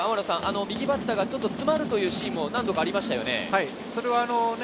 右バッターがちょっと詰まるというシーンも何度かありましたよね。